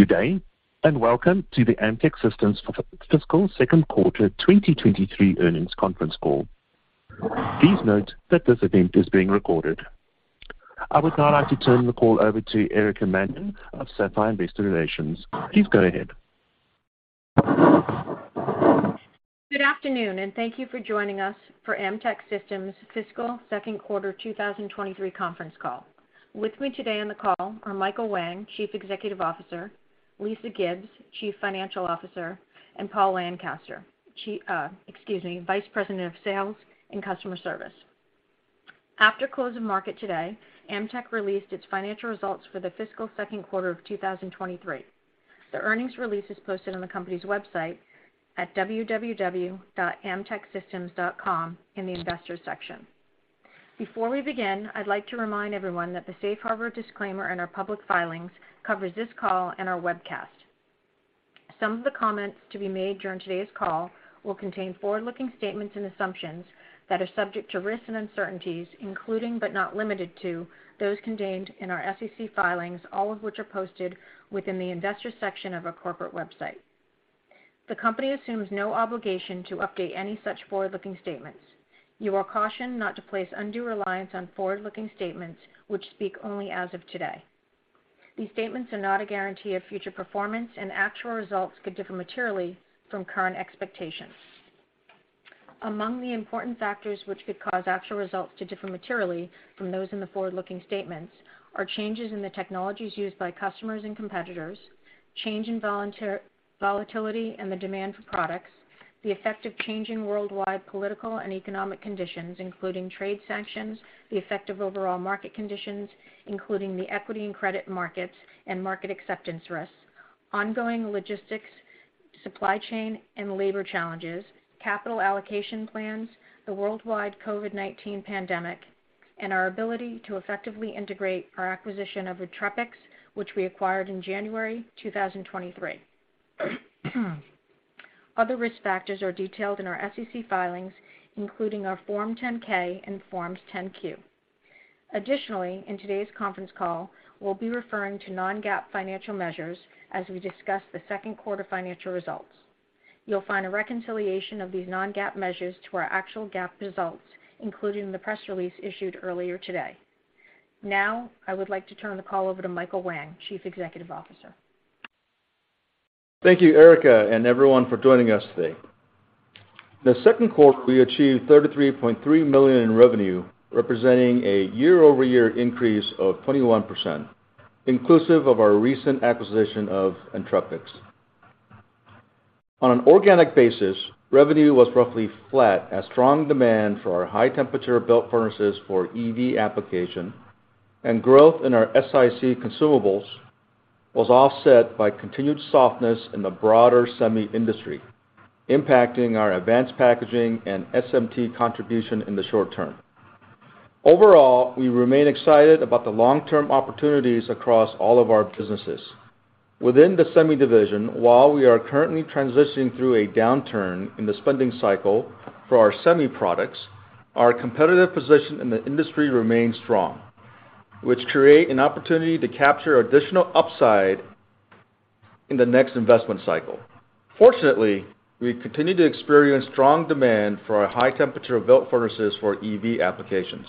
Good day, welcome to the Amtech Systems fiscal second quarter 2023 earnings conference call. Please note that this event is being recorded. I would now like to turn the call over to Erica Mannion of Sapphire Investor Relations. Please go ahead. Good afternoon, thank you for joining us for Amtech Systems' fiscal 2nd quarter 2023 conference call. With me today on the call are Michael Whang, Chief Executive Officer, Lisa Gibbs, Chief Financial Officer, and Paul Lancaster, Vice President of Sales and Customer Service. After close of market today, Amtech released its financial results for the fiscal 2nd quarter of 2023. The earnings release is posted on the company's website at www.amtechsystems.com in the Investors section. Before we begin, I'd like to remind everyone that the safe harbor disclaimer in our public filings covers this call and our webcast. Some of the comments to be made during today's call will contain forward-looking statements and assumptions that are subject to risks and uncertainties, including, but not limited to, those contained in our SEC filings, all of which are posted within the Investors section of our corporate website. The company assumes no obligation to update any such forward-looking statements. You are cautioned not to place undue reliance on forward-looking statements which speak only as of today. These statements are not a guarantee of future performance, and actual results could differ materially from current expectations. Among the important factors which could cause actual results to differ materially from those in the forward-looking statements are changes in the technologies used by customers and competitors, change in volatility and the demand for products, the effect of changing worldwide political and economic conditions, including trade sanctions, the effect of overall market conditions, including the equity and credit markets and market acceptance risks, ongoing logistics, supply chain, and labor challenges, capital allocation plans, the worldwide COVID-19 pandemic, and our ability to effectively integrate our acquisition of Entrepix, which we acquired in January 2023. Other risk factors are detailed in our SEC filings, including our Form 10-K and Forms 10-Q. Additionally, in today's conference call, we'll be referring to non-GAAP financial measures as we discuss the second quarter financial results. You'll find a reconciliation of these non-GAAP measures to our actual GAAP results, including the press release issued earlier today. I would like to turn the call over to Michael Whang, Chief Executive Officer. Thank you, Erica, and everyone for joining us today. In the second quarter, we achieved $33.3 million in revenue, representing a year-over-year increase of 21%, inclusive of our recent acquisition of Entrepix. On an organic basis, revenue was roughly flat as strong demand for our high-temperature belt furnaces for EV application and growth in our SiC consumables was offset by continued softness in the broader semi industry, impacting our advanced packaging and SMT contribution in the short term. Overall, we remain excited about the long-term opportunities across all of our businesses. Within the semi division, while we are currently transitioning through a downturn in the spending cycle for our semi products, our competitive position in the industry remains strong, which create an opportunity to capture additional upside in the next investment cycle. Fortunately, we continue to experience strong demand for our high-temperature belt furnaces for EV applications.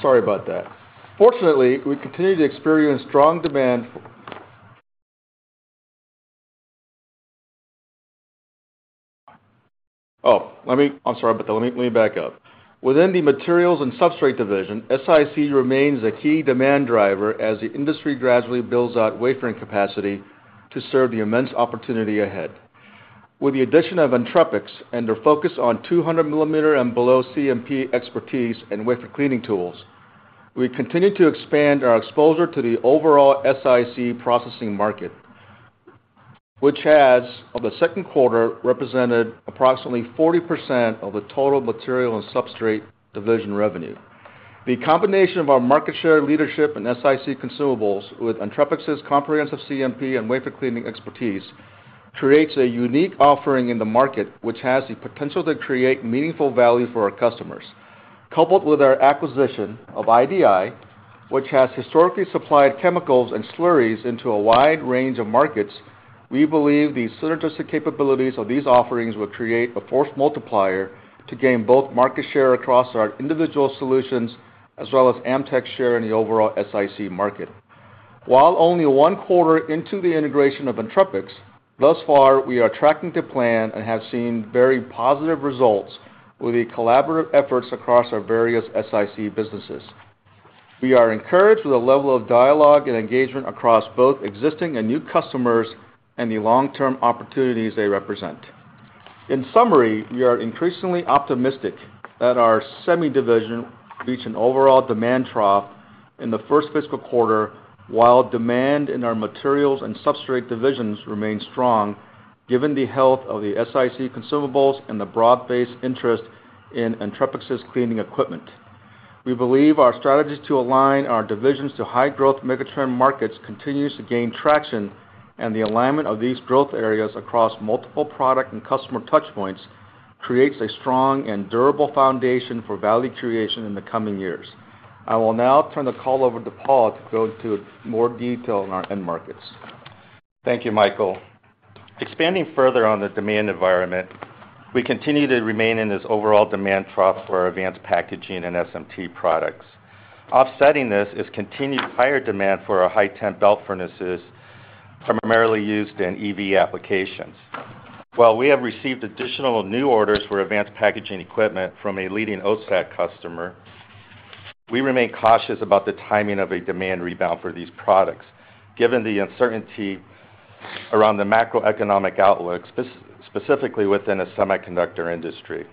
Within the materials and substrate division, SiC remains a key demand driver as the industry gradually builds out wafering capacity to serve the immense opportunity ahead. With the addition of Entrepix and their focus on 200 millimeter and below CMP expertise in wafer cleaning tools, we continue to expand our exposure to the overall SiC processing market, which has, of the second quarter, represented approximately 40% of the total material and substrate division revenue. The combination of our market share leadership in SiC consumables with Entrepix's comprehensive CMP and wafer cleaning expertise creates a unique offering in the market, which has the potential to create meaningful value for our customers. Coupled with our acquisition of IDI, which has historically supplied chemicals and slurries into a wide range of markets, we believe the synergistic capabilities of these offerings will create a force multiplier to gain both market share across our individual solutions as well as Amtech's share in the overall SiC market. While only one quarter into the integration of Entrepix, thus far, we are tracking to plan and have seen very positive results with the collaborative efforts across our various SiC businesses. We are encouraged with the level of dialogue and engagement across both existing and new customers and the long-term opportunities they represent. In summary, we are increasingly optimistic that our semi division will reach an overall demand trough in the first fiscal quarter, while demand in our materials and substrate divisions remained strong, given the health of the SiC consumables and the broad-based interest in Entrepix's cleaning equipment. We believe our strategies to align our divisions to high-growth megatrend markets continues to gain traction, and the alignment of these growth areas across multiple product and customer touch points creates a strong and durable foundation for value creation in the coming years. I will now turn the call over to Paul to go into more detail on our end markets. Thank you, Michael. Expanding further on the demand environment, we continue to remain in this overall demand trough for our advanced packaging and SMT products. Offsetting this is continued higher demand for our high-temperature belt furnaces, primarily used in EV applications. While we have received additional new orders for advanced packaging equipment from a leading OSAT customer, we remain cautious about the timing of a demand rebound for these products, given the uncertainty around the macroeconomic outlook, specifically within the semiconductor industry.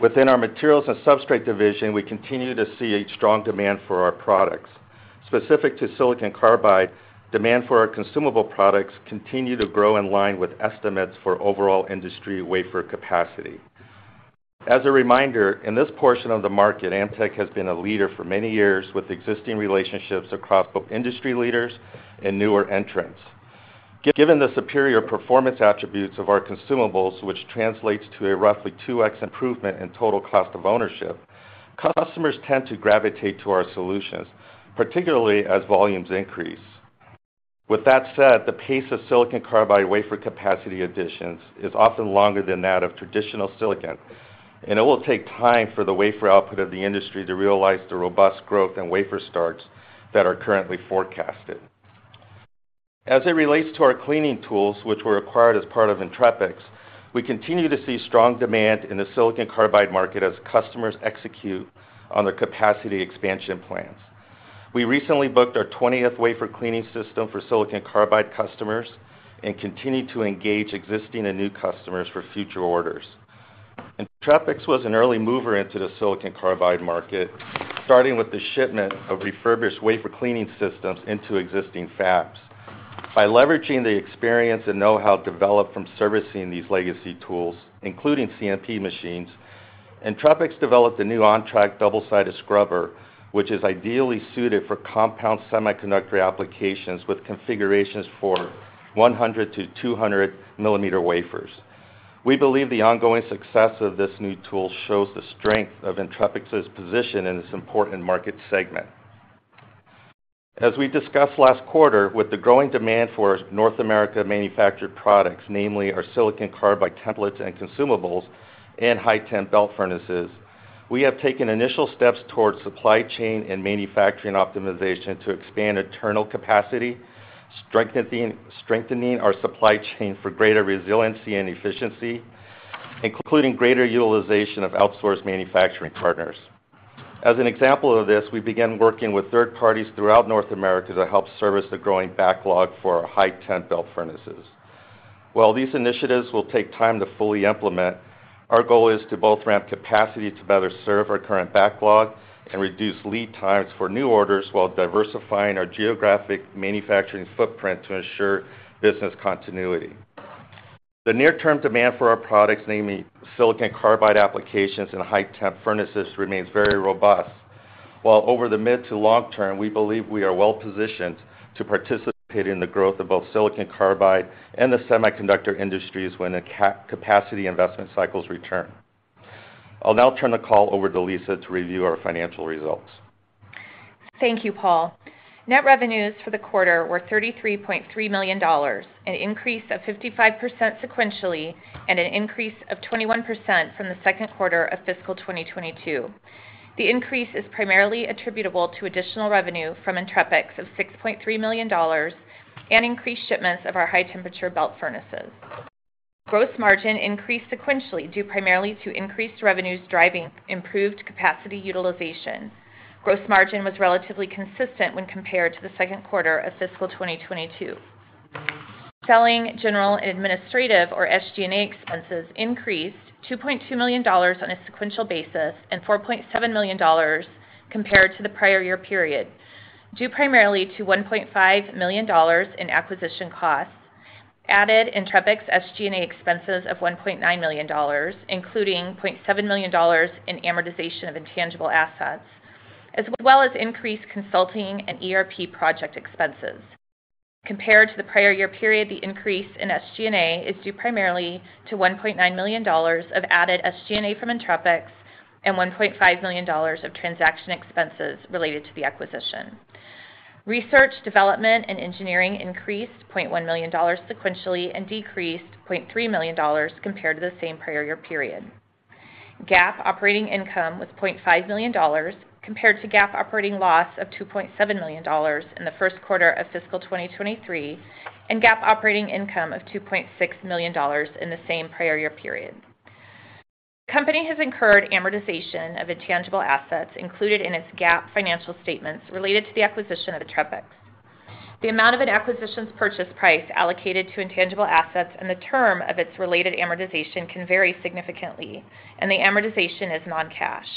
Within our materials and substrate division, we continue to see a strong demand for our products. Specific to silicon carbide, demand for our consumable products continue to grow in line with estimates for overall industry wafer capacity. As a reminder, in this portion of the market, Amtech has been a leader for many years, with existing relationships across both industry leaders and newer entrants. Given the superior performance attributes of our consumables, which translates to a roughly 2x improvement in total cost of ownership, customers tend to gravitate to our solutions, particularly as volumes increase. With that said, the pace of silicon carbide wafer capacity additions is often longer than that of traditional silicon, and it will take time for the wafer output of the industry to realize the robust growth in wafer starts that are currently forecasted. As it relates to our cleaning tools, which were acquired as part of Entrepix, we continue to see strong demand in the silicon carbide market as customers execute on their capacity expansion plans. We recently booked our 20th wafer cleaning system for silicon carbide customers and continue to engage existing and new customers for future orders. Entrepix was an early mover into the silicon carbide market, starting with the shipment of refurbished wafer cleaning systems into existing fabs. By leveraging the experience and know-how developed from servicing these legacy tools, including CMP machines, Entrepix developed a new OnTrak double-sided scrubber, which is ideally suited for compound semiconductor applications with configurations for 100 mm-200 mm wafers. We believe the ongoing success of this new tool shows the strength of Entrepix's position in this important market segment. As we discussed last quarter, with the growing demand for North America manufactured products, namely our silicon carbide templates and consumables and high-temperature belt furnaces, we have taken initial steps towards supply chain and manufacturing optimization to expand internal capacity, strengthening our supply chain for greater resiliency and efficiency, including greater utilization of outsourced manufacturing partners. As an example of this, we began working with third parties throughout North America to help service the growing backlog for our high-temperature belt furnaces. While these initiatives will take time to fully implement, our goal is to both ramp capacity to better serve our current backlog and reduce lead times for new orders while diversifying our geographic manufacturing footprint to ensure business continuity. The near-term demand for our products, namely silicon carbide applications and high-temperature furnaces, remains very robust. While over the mid to long term, we believe we are well-positioned to participate in the growth of both silicon carbide and the semiconductor industries when the capacity investment cycles return. I'll now turn the call over to Lisa to review our financial results. Thank you, Paul. Net revenues for the quarter were $33.3 million, an increase of 55% sequentially and an increase of 21% from the second quarter of fiscal 2022. The increase is primarily attributable to additional revenue from Entrepix of $6.3 million and increased shipments of our high-temperature belt furnaces. Gross margin increased sequentially due primarily to increased revenues driving improved capacity utilization. Gross margin was relatively consistent when compared to the second quarter of fiscal 2022. Selling, general, and administrative, or SG&A, expenses increased $2.2 million on a sequential basis and $4.7 million compared to the prior year period, due primarily to $1.5 million in acquisition costs, added Entrepix SG&A expenses of $1.9 million, including $0.7 million in amortization of intangible assets, as well as increased consulting and ERP project expenses. Compared to the prior year period, the increase in SG&A is due primarily to $1.9 million of added SG&A from Entrepix and $1.5 million of transaction expenses related to the acquisition. Research, development, and engineering increased $0.1 million sequentially and decreased $0.3 million compared to the same prior year period. GAAP operating income was $0.5 million compared to GAAP operating loss of $2.7 million in the first quarter of fiscal 2023 and GAAP operating income of $2.6 million in the same prior year period. The company has incurred amortization of intangible assets included in its GAAP financial statements related to the acquisition of Entrepix. The amount of an acquisition's purchase price allocated to intangible assets and the term of its related amortization can vary significantly, and the amortization is non-cash.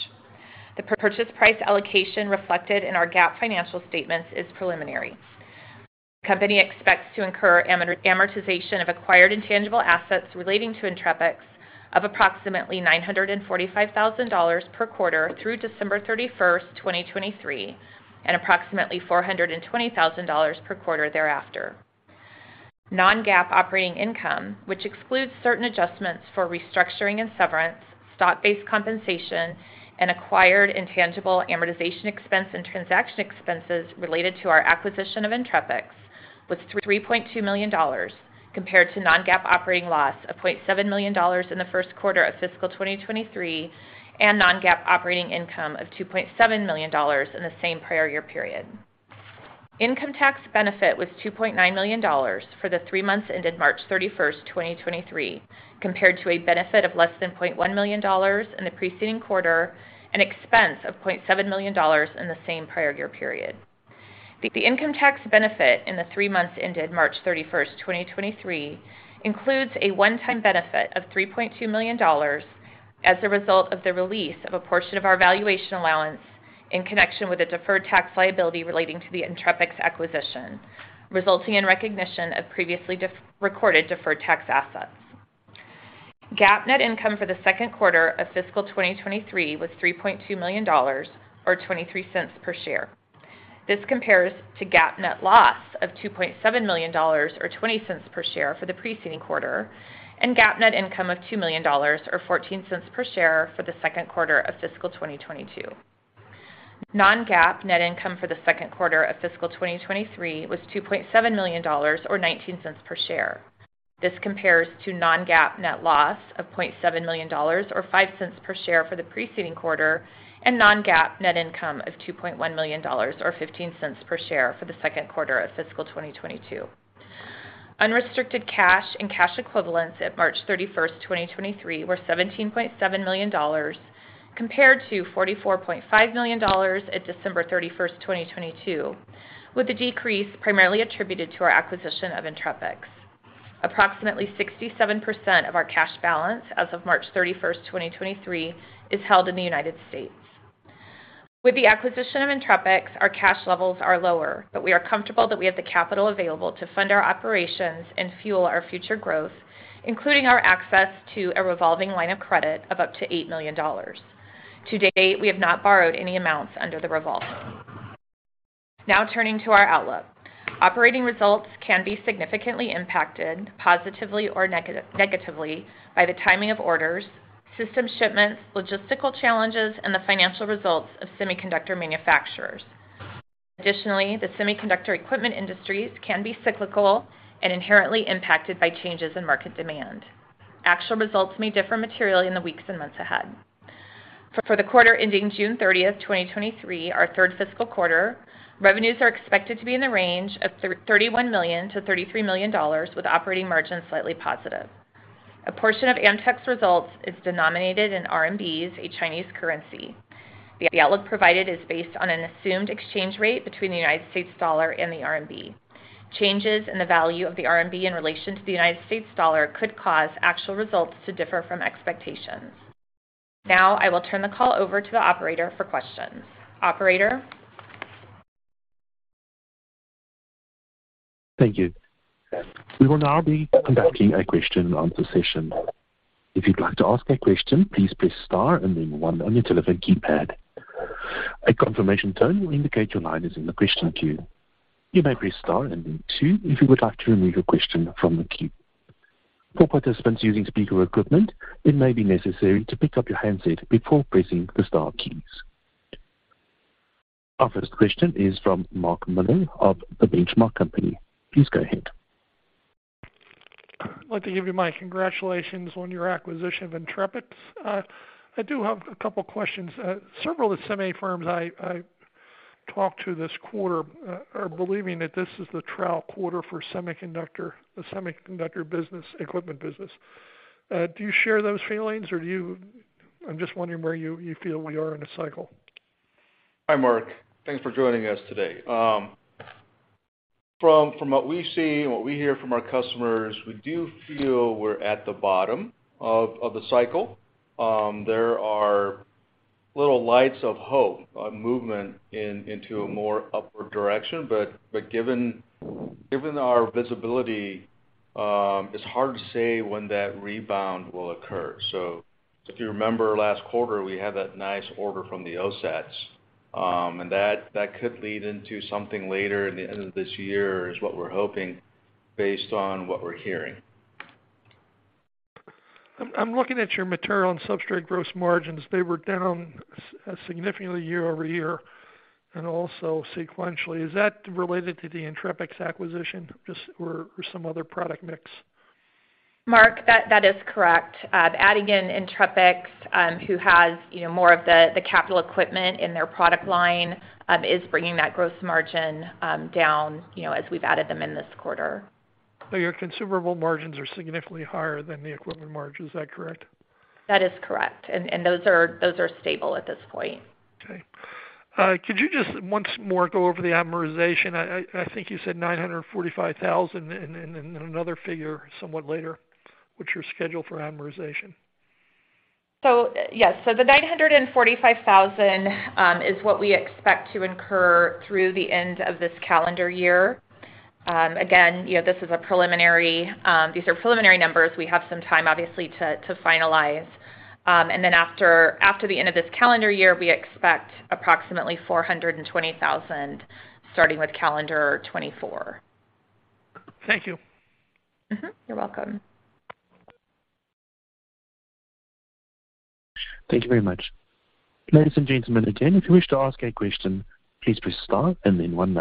The purchase price allocation reflected in our GAAP financial statements is preliminary. The company expects to incur amortization of acquired intangible assets relating to Entrepix of approximately $945,000 per quarter through December 31st, 2023, and approximately $420,000 per quarter thereafter. Non-GAAP operating income, which excludes certain adjustments for restructuring and severance, stock-based compensation, and acquired intangible amortization expense and transaction expenses related to our acquisition of Entrepix, was $3.2 million compared to non-GAAP operating loss of $0.7 million in the first quarter of fiscal 2023, and non-GAAP operating income of $2.7 million in the same prior year period. Income tax benefit was $2.9 million for the three months ended March 31st, 2023, compared to a benefit of less than $0.1 million in the preceding quarter and expense of $0.7 million in the same prior year period. The income tax benefit in the three months ended March 31st, 2023, includes a one-time benefit of $3.2 million as a result of the release of a portion of our valuation allowance in connection with a deferred tax liability relating to the Entrepix acquisition, resulting in recognition of previously recorded deferred tax assets. GAAP net income for the second quarter of fiscal 2023 was $3.2 million or $0.23 per share. This compares to GAAP net loss of $2.7 million or $0.20 per share for the preceding quarter, and GAAP net income of $2 million or $0.14 per share for the second quarter of fiscal 2022. Non-GAAP net income for the second quarter of fiscal 2023 was $2.7 million or $0.19 per share. This compares to non-GAAP net loss of $0.7 million or $0.05 per share for the preceding quarter, and non-GAAP net income of $2.1 million or $0.15 per share for the second quarter of fiscal 2022. Unrestricted cash and cash equivalents at March 31st, 2023, were $17.7 million compared to $44.5 million at December 31st, 2022, with the decrease primarily attributed to our acquisition of Entrepix. Approximately 67% of our cash balance as of March 31st, 2023, is held in the United States. With the acquisition of Entrepix, our cash levels are lower, but we are comfortable that we have the capital available to fund our operations and fuel our future growth, including our access to a revolving line of credit of up to $8 million. To date, we have not borrowed any amounts under the revolve. Turning to our outlook. Operating results can be significantly impacted, positively or negatively, by the timing of orders, system shipments, logistical challenges, and the financial results of semiconductor manufacturers. The semiconductor equipment industries can be cyclical and inherently impacted by changes in market demand. Actual results may differ materially in the weeks and months ahead. For the quarter ending June 30th, 2023, our third fiscal quarter, revenues are expected to be in the range of $31 million-$33 million, with operating margins slightly positive. A portion of Amtech's results is denominated in RMBs, a Chinese currency. The outlook provided is based on an assumed exchange rate between the U.S. dollar and the RMB. Changes in the value of the RMB in relation to the United States dollar could cause actual results to differ from expectations. Now I will turn the call over to the operator for questions. Operator? Thank you. We will now be conducting a question and answer session. If you'd like to ask a question, please press star and then one on your telephone keypad. A confirmation tone will indicate your line is in the question queue. You may press star and then two if you would like to remove your question from the queue. For participants using speaker equipment, it may be necessary to pick up your handset before pressing the star keys. Our first question is from Mark Miller of The Benchmark Company. Please go ahead. I'd like to give you my congratulations on your acquisition of Entrepix. I do have a couple questions. Several of the semi firms I talked to this quarter are believing that this is the trial quarter for the semiconductor business, equipment business. Do you share those feelings or do you I'm just wondering where you feel we are in the cycle? Hi, Mark. Thanks for joining us today. From what we see and what we hear from our customers, we do feel we're at the bottom of the cycle. There are little lights of hope of movement into a more upward direction. Given our visibility, it's hard to say when that rebound will occur. If you remember last quarter, we had that nice order from the OSATs, and that could lead into something later in the end of this year is what we're hoping based on what we're hearing. I'm looking at your material and substrate gross margins. They were down significantly year-over-year and also sequentially. Is that related to the Entrepix acquisition just or some other product mix? Mark, that is correct. Adding in Entrepix, who has, you know, more of the capital equipment in their product line, is bringing that gross margin, down, you know, as we've added them in this quarter. Your consumable margins are significantly higher than the equipment margin. Is that correct? That is correct. Those are stable at this point. Okay. Could you just once more go over the amortization? I think you said $945,000 and then another figure somewhat later, what's your schedule for amortization? Yes. The $945,000 is what we expect to incur through the end of this calendar year. Again, you know, this is a preliminary, these are preliminary numbers. We have some time obviously to finalize. Then after the end of this calendar year, we expect approximately $420,000 starting with calendar 2024. Thank you. You're welcome. Thank you very much. Ladies and gentlemen, again, if you wish to ask a question, please press star and then one.